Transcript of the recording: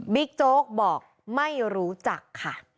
โจ๊กบอกไม่รู้จักค่ะ